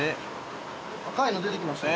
赤いの出てきましたよ。